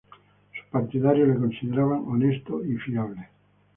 Sus partidarios le consideraban honesto y fiable.